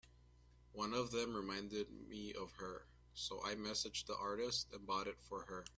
One of them reminded me of her, so I messaged the artist and bought it for her.